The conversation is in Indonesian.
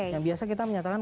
yang biasa kita menyatakan